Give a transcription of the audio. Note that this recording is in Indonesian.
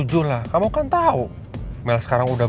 jangan lupa nyalain lonceng daya